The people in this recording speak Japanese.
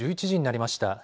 １１時になりました。